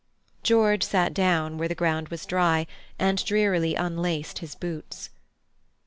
George sat down where the ground was dry, and drearily unlaced his boots.